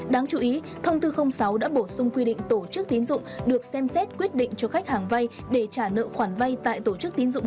đáng chú ý thông tư sáu đã bổ sung quy định tổ chức tiến dụng được xem xét quyết định cho khách hàng